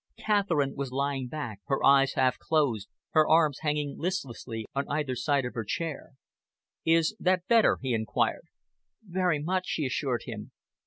Catherine was lying back, her eyes half closed, her arms hanging listlessly on either side of her chair. "Is that better?" he enquired. "Very much," she assured him.